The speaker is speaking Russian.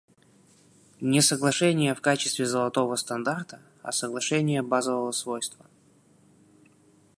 Не соглашения в качестве золотого стандарта, а соглашения базового свойства.